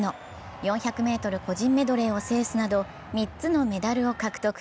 ４００ｍ個人メドレーを制すなど３つのメダルを獲得。